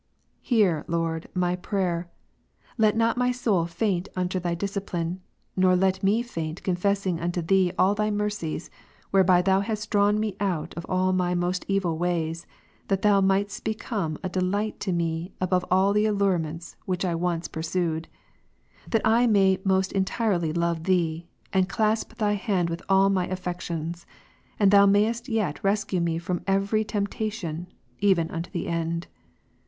Hear, Lord, my prayer ; let not my soul faint under Thy discipline, nor let me faint in confessing unto Thee all Thy mercies, whereby Thou hast drawn me out of all my most evil ways, that Thou mightest become a delight to me above all the allurements which I once pursued ^; that I may most entirely love Thee, and clasp Thy hand with all my affections, and Thou mayest yet rescue me from every temptation, even unto the end.